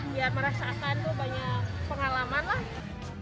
biar merasakan tuh banyak pengalaman lah gitu